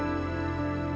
jadi ayahmu sudah lama lagi